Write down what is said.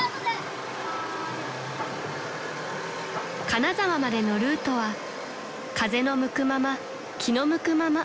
［金沢までのルートは風の向くまま気の向くまま］